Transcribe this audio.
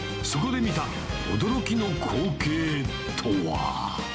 そこで見た、驚きの光景とは。